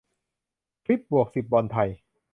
คลิป - บวกสิบ บอลไทย